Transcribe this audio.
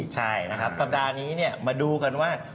ใช่นะครับสัปดาห์นี้มาดูกันว่า